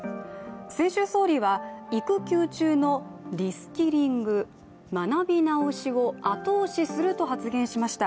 先週、総理は育休中のリスキリング＝学び直しを後押しすると発言しました。